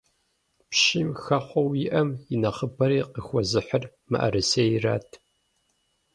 Пщым хэхъуэу иӀэм и нэхъыбэри къыхуэзыхьыр мыӀэрысейрат.